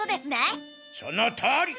そのとおり。